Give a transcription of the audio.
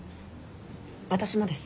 私もです。